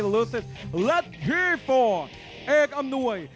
สวัสดีครับท้ายรับมวยไทยไฟเตอร์